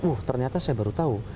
oh ternyata saya baru tahu